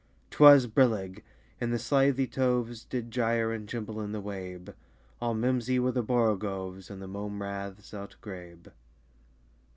'Twas brillig, and the slithy toves Did gyre and gimble in the wabe: All mimsy were the borogoves, And the mome raths outgrabe.